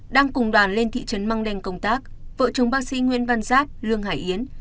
đang cùng đoàn lên thị trấn măng đen công tác vợ chồng bác sĩ nguyễn văn giáp lương hải yến